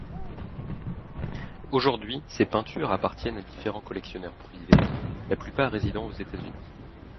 Aujourd'hui, ses peintures appartiennent à différents collectionneurs privés, la plupart résidant aux États-Unis.